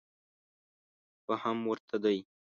فهم ورته دی.